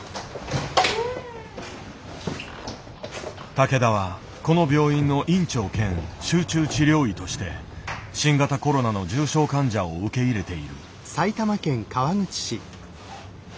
竹田はこの病院の院長兼集中治療医として新型コロナの重症患者を受け入れている。